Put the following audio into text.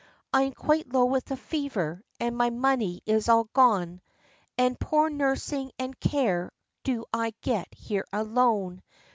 I am quite low with a fever, and my money is all gone, And poor nursing and care do I get here alone.